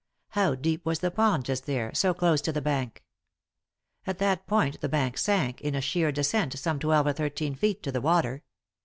How deep was the pond, just there, so close to the bank ? At that point the bank sank, in a sheer descent, some twelve or thirteen feet to the water.